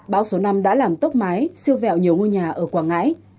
bão số năm đã làm tốc mái siêu vẹo nhiều ngôi nhà ở quảng ngãi